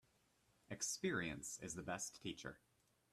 Experience is the best teacher.